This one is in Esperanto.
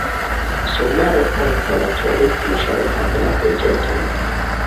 Somere ankaŭ la turismo helpas la buĝeton.